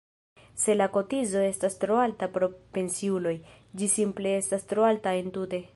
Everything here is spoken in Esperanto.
Se la kotizo estas tro alta por pensiuloj, ĝi simple estas tro alta entute.